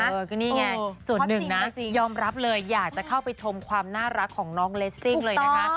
นี่ไงส่วนหนึ่งนะยอมรับเลยอยากจะเข้าไปชมความน่ารักของน้องเลสซิ่งเลยนะคะ